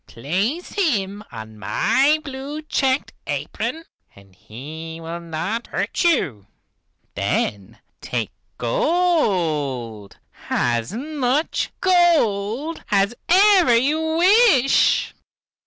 Place him on my blue checked apron and he will not hurt you. Then take gold, as much gold as ever you wish."